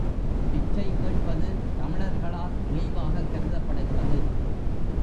பிச்சை கேட்பது, தமிழர்களால் இழிவாகக் கருதப்படுகிறது.